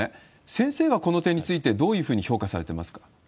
先生はこの点について、どういうふうに評価されてますか？